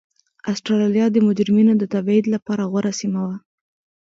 اسټرالیا د مجرمینو د تبعید لپاره غوره سیمه وه.